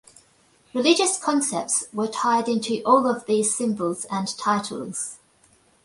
Religious concepts were tied into all of these symbols and titles.